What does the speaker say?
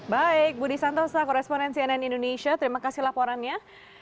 baik budi santosa koresponen cnn indonesia terima kasih laporannya